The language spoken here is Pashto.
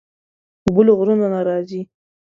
اوبه له غرونو نه راځي.